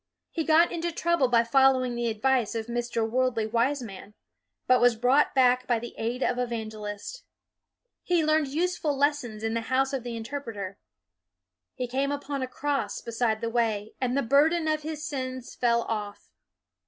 He got into trou ble by following the advice of Mr. Worldly Wiseman, but was brought back by the aid of Evangelist. He learned use ful lessons in the House of the Interpreter. He came upon a cross beside the way, and the burden of his sins fell off.